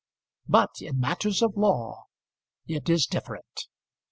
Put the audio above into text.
But in matters of law it is different.